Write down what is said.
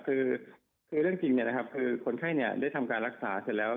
คือเรื่องจริงคือคนไข้ได้ทำการรักษาเสร็จแล้ว